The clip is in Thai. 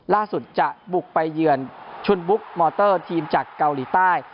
ล่าสุดจะบุกไปเยือนชุนบุ๊กมอเตอร์ทีมจากเกาหลีใต้